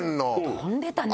飛んでたね。